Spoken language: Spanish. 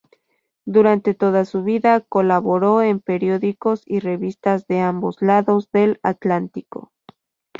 Durante toda su vida colaboró en periódicos y revistas de ambos lados del Atlántico.